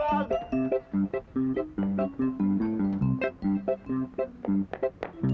mana di cepet banget kaburnya ya